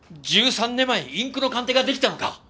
１３年前インクの鑑定が出来たのか？